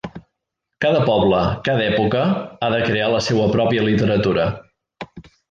Cada poble, cada època ha de crear la seua pròpia literatura.